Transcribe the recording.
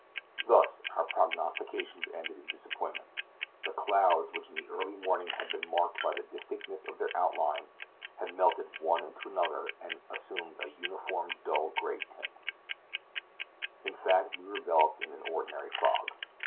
Thus our prognostications ended in disappointment; the clouds, which in the early morning had been marked by the distinctness of their outline, had melted one into another and assumed an uniform dull gray tint; in fact, we were enveloped in an ordinary fog.